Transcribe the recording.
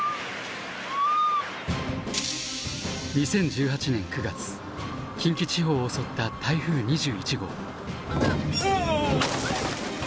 ２０１８年９月近畿地方を襲った台風２１号。